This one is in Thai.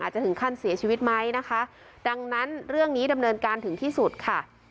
จะถึงขั้นเสียชีวิตไหมนะคะดังนั้นเรื่องนี้ดำเนินการถึงที่สุดค่ะ